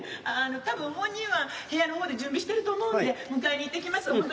あああのたぶん本人は部屋の方で準備してると思うので迎えに行ってきます。